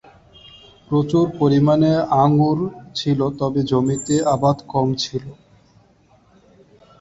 প্রচুর পরিমাণে আঙ্গুর ছিল তবে জমিতে আবাদ কম ছিল।